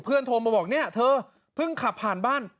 โทรมาบอกเนี่ยเธอเพิ่งขับผ่านบ้าน